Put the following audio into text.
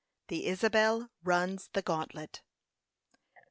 THE ISABEL RUNS THE GANTLET.